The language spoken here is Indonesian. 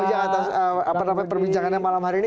terima kasih atas perbincangannya malam hari ini